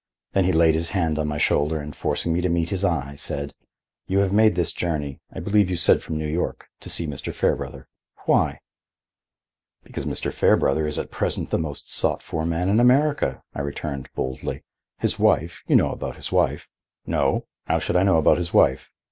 Then he laid his hand on my shoulder and, forcing me to meet his eye, said: "You have made this journey—I believe you said from New York—to see Mr. Fairbrother. Why?" "Because Mr. Fairbrother is at present the most sought for man in America," I returned boldly. "His wife—you know about his wife—" "No. How should I know about his wife?